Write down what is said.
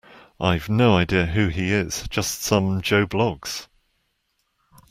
I've no idea who he is: just some Joe Bloggs